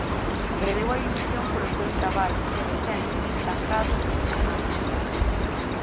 Perdeu a ilusión polo seu traballo e séntese estancado profesionalmente.